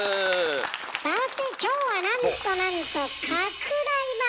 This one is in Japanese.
さて今日はなんとなんと拡大版！